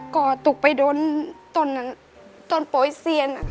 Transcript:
ก็ตกไปโดนต้นโป้โยเซียน